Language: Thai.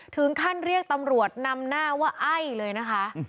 ถึงขั้นเรียกตำรวจนำหน้าว่าไอ้เลยนะคะ